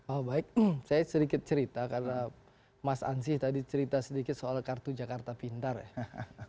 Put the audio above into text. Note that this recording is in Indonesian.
oh baik saya sedikit cerita karena mas ansih tadi cerita sedikit soal kartu jakarta pintar ya